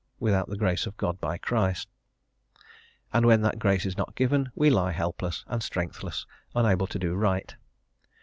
without the grace of God by Christ," and when that grace is not given we lie helpless and strength less, unable to do right.